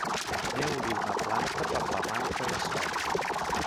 Neuli una planta per la manca de sol.